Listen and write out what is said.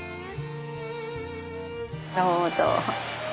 どうぞ。